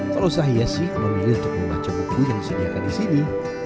kalau sah ya sih memilih untuk bermacam buku yang disediakan di sini